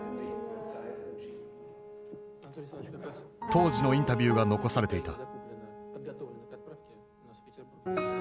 当時のインタビューが残されていた。